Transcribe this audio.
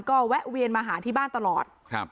ก็แวะเวียนมาหาที่บ้านตลอด